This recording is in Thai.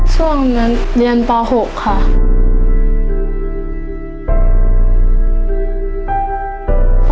ส่วนนั้นเรียนป่าว๖ค่ะ